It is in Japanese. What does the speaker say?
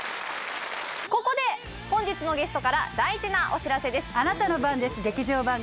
ここで本日のゲストから大事なお知らせです。